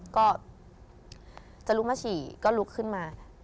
ก็จะลุกมาฉี่ก็ลุกขึ้นมา